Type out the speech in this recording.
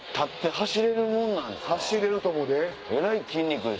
走れると思うで。